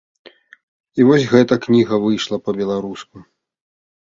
І вось гэта кніга выйшла па-беларуску.